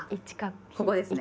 ここですね。